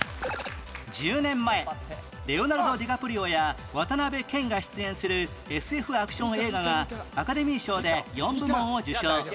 １０年前レオナルド・ディカプリオや渡辺謙が出演する ＳＦ アクション映画がアカデミー賞で４部門を受賞